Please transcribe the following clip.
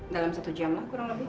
dalam satu jam lah kurang lebih